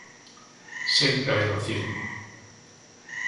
Sempre hai racismo.